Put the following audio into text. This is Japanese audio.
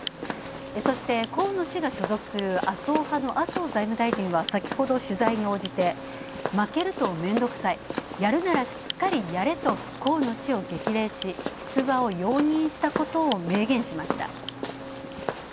そして、河野氏が所属する麻生派の麻生財務大臣は先ほど取材に応じて「負けると面倒くさい、やるならしっかりやれ」と河野氏を激励し、出馬を容認したことを明言しました。